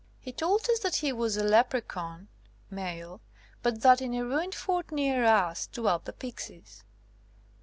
He told us tliat he was a Leprechaun (male), but that in a ruined fort near us dwelt the Pixies.